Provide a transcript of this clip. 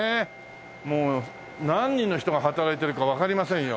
もう何人の人が働いてるかわかりませんよ。